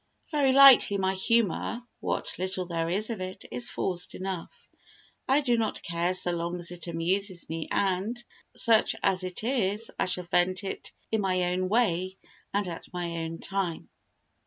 Very likely my humour, what little there is of it, is forced enough. I do not care so long as it amuses me and, such as it is, I shall vent it in my own way and at my own time.